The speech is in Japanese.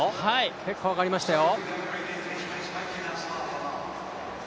結構上がりましたよ。